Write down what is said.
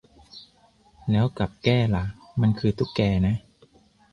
แล้วกับแก้ล่ะ มันคือตุ๊กแกนะ